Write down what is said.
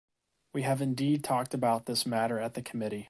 We have indeed talked about this matter at the committee.